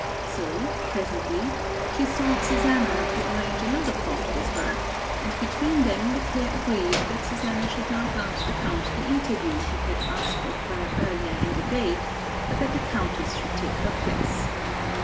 So, presently, she sought Susanna to arrange another plot with her, and between them the pair agreed that Susanna should now grant the Count the interview he had asked of her earlier in the day, but that the Countess should take her place.